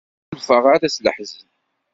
Ur ḥulfaɣ ara s leḥzen.